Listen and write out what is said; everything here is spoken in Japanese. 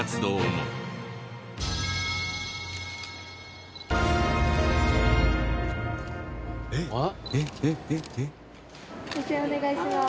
目線お願いします。